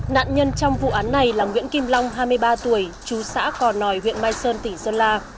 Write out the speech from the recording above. nạn nhân trong vụ án này là nguyễn kim long hai mươi ba tuổi chú xã cò nòi huyện mai sơn tỉnh sơn la